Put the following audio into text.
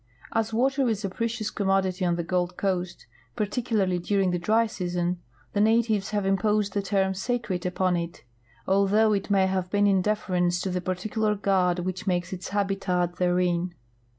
As water is a })recious commodity on the Gold coast, particularly during the dry season, the natives have iniposed the term "sacred" upon it. although it may have l)een in deference to the particular god which makes its habitat therein.